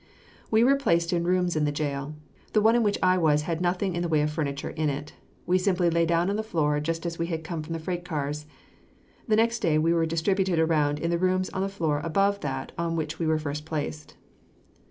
We were placed in rooms in the jail. The one in which I was had nothing in the way of furniture in it. We simply lay down upon the floor just as we had come from the freight cars. The next day we were distributed around in the rooms on the floor above that on which we were first placed.